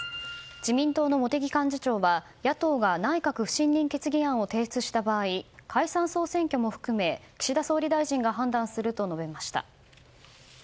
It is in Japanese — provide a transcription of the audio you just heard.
自民党の茂木幹事長は野党が内閣不信任決議案を提出した場合解散・総選挙も含め岸田総理大臣が判断すると述べました。